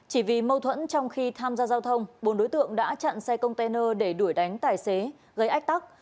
chỉ vì mâu thuẫn trong khi tham gia giao thông bốn đối tượng đã chặn xe container để đuổi đánh tài xế gây ách tắc